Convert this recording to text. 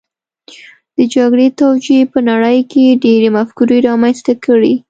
د جګړې توجیې په نړۍ کې ډېرې مفکورې رامنځته کړې